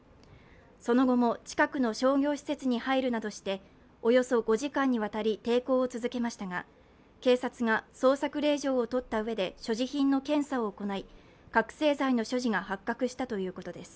その後も近くの商業施設に入るなどしておよそ５時間にわたり抵抗を続けましたが、警察が捜索令状を取ったうえで所持品の検査を行い、覚醒剤の所持が発覚したということです。